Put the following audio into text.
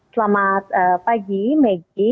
selamat pagi megi